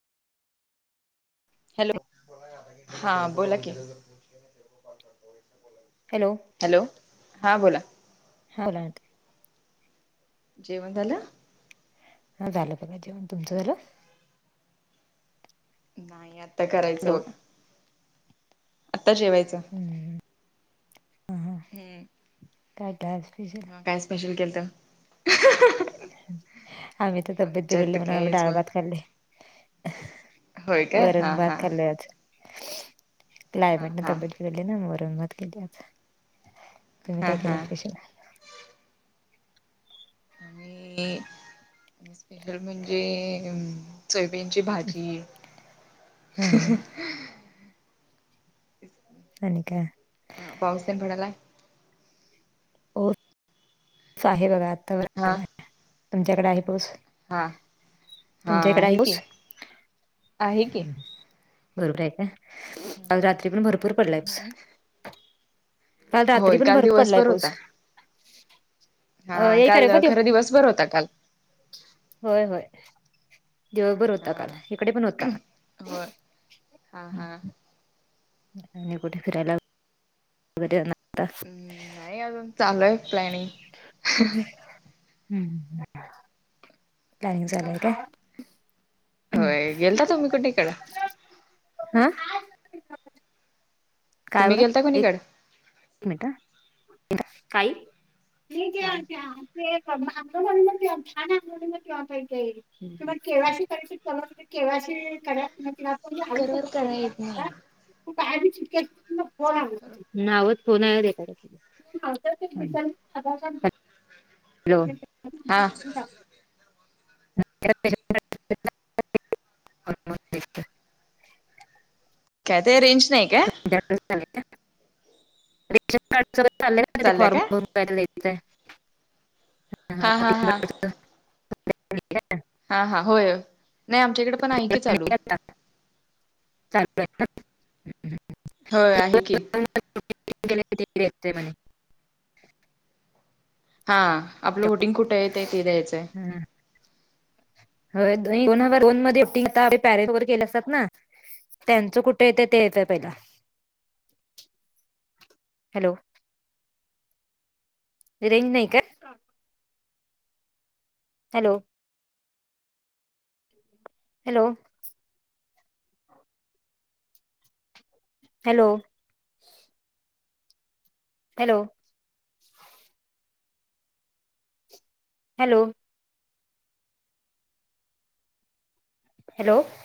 Hello, हा बोला कि? हॅलो, हॅलो, हां बोला. हा बोला आता. जेवण झाल? हा झालं बघा. तुमचं झालं? नाही आता हॅलो करायचं बघा. आता जेवायचं. हम हम हम्म काय काय आणि विशेष? मग काय स्पेशल केलत? आम्ही तर तब्येत बिघडली आमच्यात म्हणून आम्ही कायच डाळ भात खाल्ले. होय काय वरण हा भात हा खालय आज. हा क्लायमेटन हा तब्येत बिघडली ना वरण-भात केली आज तुम्ही हा काय हा केला स्पेशल? मी स्पेशल म्हणजे सोयबिनची भाजी. हा हा आणि काय? अ पाऊस तेन पडालाय. पऊस आहे बघा. आता [unintelligible] तुमच्याकडे आहे पऊस? हां हां आहे की. आहे की. बरोबर आहे काय? काल रात्री पण भरपूर पडलाय पाऊस. काल रात्री होय पण काल भरपूर पडलाय दिवसभर होता पऊस. हा काल करे प देव खरं दिवस बरं होता काल. होय. होय. दिवभर होता हा काल. इकडे पण होता. होय हा हा आणि कुठे फिरायला [unintelligible] होता. हम्म नाही अजून चालू आहे प्लॅनिंग. हम्म ह. प्लॅनिंग चालुय काय? होय गेलता तुम्ही कुठीकडं? हा. तुम्हीे गेलता कुणी कडं? एकच मिनट [unintelligible] काई [unintelligible] ते हा [unintelligible] के वाय सी करायच. के वाय सी करा [unintelligible] शकत स्पीकरवर नाही कराय येत नाही. काय तुम्हाला [unintelligible] फोन आला. नावत दोन वेळा रिकॉर्ड केलयं [unintelligible] हॅलो! हा [unintelligible] [inaudible] हॅलो काय ते रेंज नाही काय? [unintelligible] रेशन कार्ड स चालय का ते चालल्या फॉर्म काय भरून. हा हा हा [unintelligible] हा हा होय होय नाही आमच्या इकडे पण आहे की चालू. [unintelligible] चालूय ना? होय आहे की. [unintelligible] म्हणे. हा आपलं वोटिंग कुठय तेथे द्यायचंय. हम्. होय दोन हजार दोन मध्ये वोटींग टाक पॅरेल वर गेल असतात ना त्यांचं कुठे येत ते येतंय पहिला. हॅलो! रेंज नाही का? Hello! Hello! Hello! Hello! Hello! Hello!